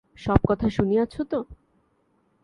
সব কথা শুনিয়াছ তো?